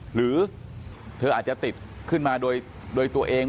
หรือเธออาจจะติดขึ้นมาโดยตัวเอง